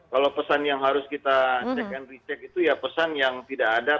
kalau pesan yang harus kita cek and recheck itu ya pesan yang tidak ada